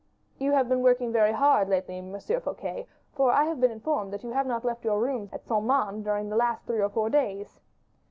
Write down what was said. "You have been working very hard lately, M. Fouquet, for I have been informed that you have not left your rooms at Saint Mande during the last three or four days."